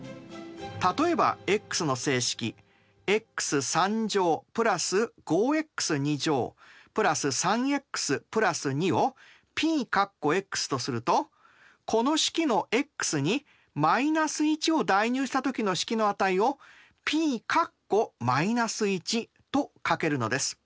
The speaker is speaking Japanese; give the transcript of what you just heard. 例えばｘの整式をＰとするとこの式のｘに−１を代入したときの式の値をＰと書けるのです。